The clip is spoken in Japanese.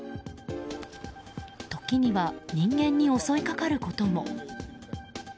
時には人間に襲いかかることも。